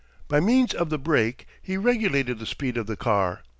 By means of the brake he regulated the speed of the car.